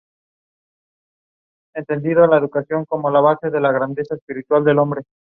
La secuela de este juego es Burnout Revenge.